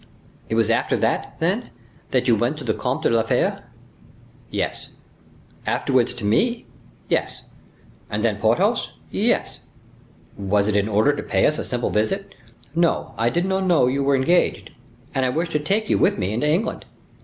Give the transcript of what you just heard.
"It was after that, then, that you went to the Comte de la Fere's?" "Yes." "Afterwards to me?" "Yes." "And then Porthos?" "Yes." "Was it in order to pay us a simple visit?" "No, I did no know you were engaged, and I wished to take you with me into England."